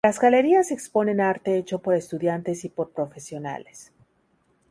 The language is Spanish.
Las Galerías exponen arte hecho por estudiantes y por profesionales.